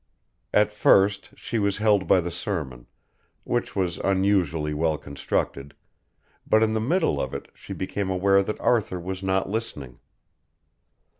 At first she was held by the sermon, which was unusually well constructed, but in the middle of it she became aware that Arthur was not listening.